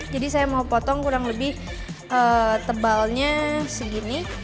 jadi saya mau potong kurang lebih tebalnya segini